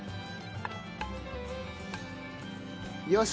よし！